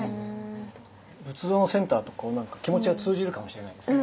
仏像のセンターとこう何か気持ちが通じるかもしれないですね。